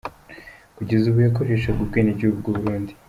Kugeza ubu yakoreshaga ubwenwgihugu bw’u Burundi.